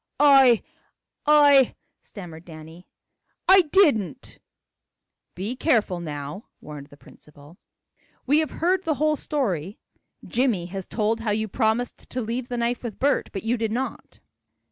"I I " stammered Danny, "I didn't " "Be careful now," warned the principal. "We have heard the whole story. Jimmie has told how you promised to leave the knife with Bert, but you did not."